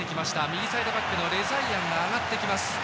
右サイドバックのレザイアンが上がってきます。